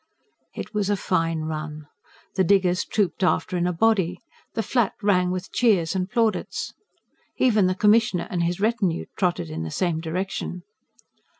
It was a fine run. The diggers trooped after in a body; the Flat rang with cheers and plaudits. Even the Commissioner and his retinue trotted in the same direction.